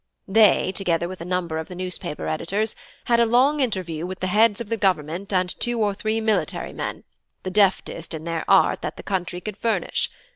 "They, together with a number of the newspaper editors, had a long interview with the heads of the Government and two or three military men, the deftest in their art that the country could furnish.